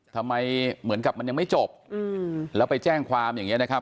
เหมือนกับมันยังไม่จบแล้วไปแจ้งความอย่างนี้นะครับ